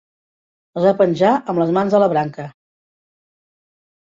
Es va penjar amb les mans a la branca.